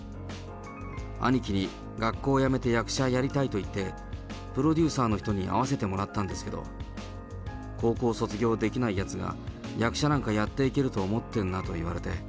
兄貴に学校辞めて役者やりたいと言って、プロデューサーの人に会わせてもらったんですけど、高校卒業できないやつが役者なんかやっていけると思ってんなって言われて。